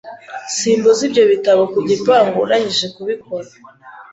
Simbuza ibyo bitabo ku gipangu urangije kubikora.